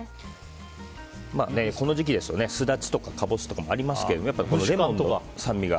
この時期ですとスダチとかカボスとかもありますけど、レモンの酸味が。